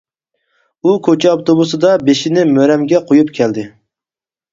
ئۇ كوچا ئاپتوبۇسىدا بېشىنى مۈرەمگە قويۇپ كەلدى.